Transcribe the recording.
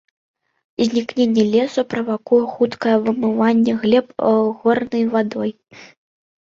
Знікненне лесу правакуе хуткае вымыванне глеб горнай вадой.